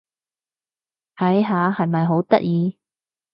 睇下！係咪好得意？